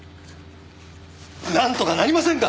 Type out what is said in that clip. なんとかなりませんか？